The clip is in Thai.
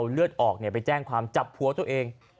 เลือดออกไปแจ้งความจับผัวตัวเอง